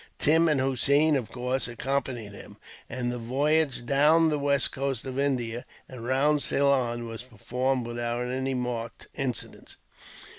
Tim and Hossein, of course, accompanied him; and the voyage down the west coast of India, and round Ceylon, was performed without any marked incident.